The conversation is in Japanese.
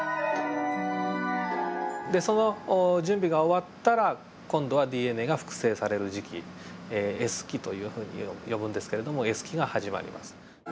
でその準備が終わったら今度はＤＮＡが複製がされる時期Ｓ期というふうに呼ぶんですけれどもＳ期が始まります。